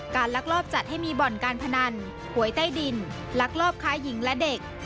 ลักลอบจัดให้มีบ่อนการพนันหวยใต้ดินลักลอบค้าหญิงและเด็ก